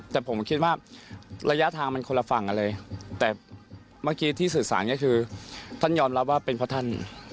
แต่ผมคิดว่าระยะทางมันคนละฝั่งกันเลยแต่เมื่อกี้ที่สื่อสารก็คือท่านยอมรับว่าเป็นเพราะท่าน